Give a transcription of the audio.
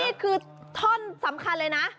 นี่คือท่อนสำคัญเลยนะ